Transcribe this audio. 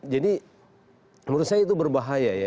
jadi menurut saya itu berbahaya ya